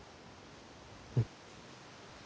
うん。